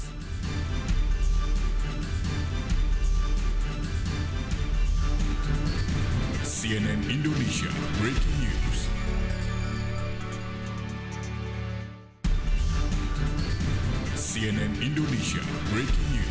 tetap bersama kami di cnn indonesia breaking news